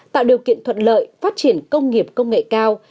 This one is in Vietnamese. tạo điều kiện thuận lợi phát triển công nghiệp công nghệ cao